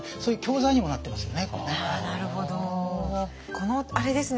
このあれですね